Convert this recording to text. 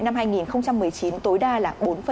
năm hai nghìn một mươi tám là một năm triệu đồng